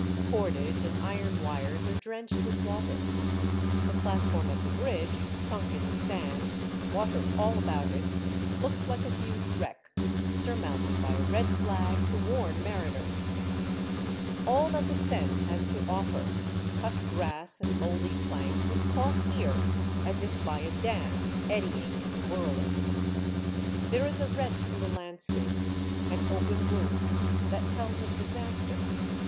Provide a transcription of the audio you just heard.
Cordage and iron wires are drenched with water. The platform of the bridge, sunk in the sand, water all about it, 112 Monday Tales, looks like a huge wreck, surmounted by a red flag to warn mariners; all that the Seine has to offer, cut grass and mouldy planks, is caught here, as if by a dam, eddying and whirling. There is a rent in the landscape, an open wound that tells of dis aster.